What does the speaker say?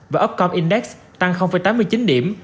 và upcom index tăng tám mươi chín điểm